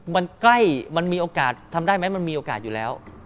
มันใกล้มันมีโอกาสทำได้ไหมมันมีโอกาสอยู่แล้ว